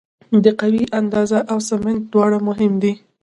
د قوې اندازه او سمت دواړه مهم دي.